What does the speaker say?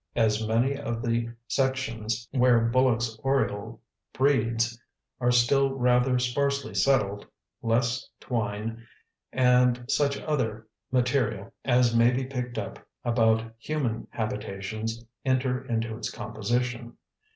As many of the sections where Bullock's Oriole breeds are still rather sparsely settled, less twine and such other material as may be picked up about human habitations enter into its composition.